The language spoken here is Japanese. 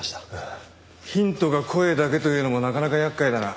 ヒントが声だけというのもなかなか厄介だな。